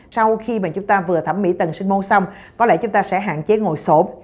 sau khi mà chúng ta vừa thẩm mỹ tầng sinh môn xong có lẽ chúng ta sẽ hạn chế ngồi sổ